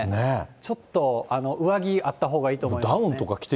ちょっと上着あったほうがいいと思います。